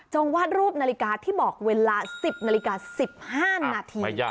วาดรูปนาฬิกาที่บอกเวลา๑๐นาฬิกา๑๕นาที